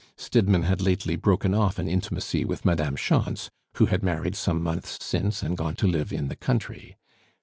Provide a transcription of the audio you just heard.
Stidmann had lately broken off an intimacy with Madame Schontz, who had married some months since and gone to live in the country.